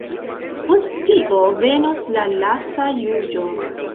Post tio venos la lasta juĝo.